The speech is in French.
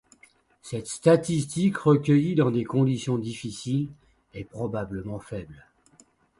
Cette statistique, recueillie dans des conditions difficiles, est probablement faible.